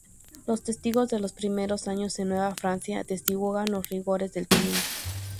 Los testigos de los primeros años en Nueva Francia atestiguan los rigores del clima.